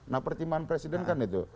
nah pertimbangan presiden kan itu